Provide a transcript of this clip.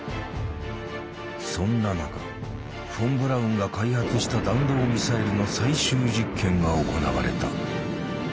そんな中フォン・ブラウンが開発した弾道ミサイルの最終実験が行われた。